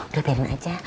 udah biarin aja